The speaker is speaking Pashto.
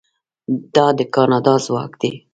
دا د کاناډا ځواک دی.